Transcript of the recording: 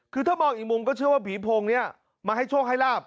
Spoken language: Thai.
คือถ้ามองอีกมุมก็เชื่อว่าผีโพงเนี่ยมาให้โชคให้ลาบ